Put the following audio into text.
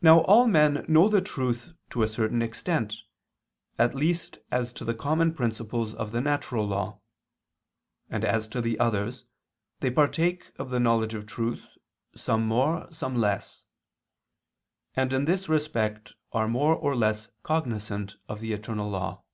Now all men know the truth to a certain extent, at least as to the common principles of the natural law: and as to the others, they partake of the knowledge of truth, some more, some less; and in this respect are more or less cognizant of the eternal law.